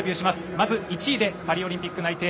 まず、１位でパリオリンピック内定。